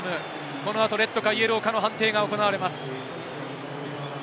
このあとレッドかイエローかの判定が行われます。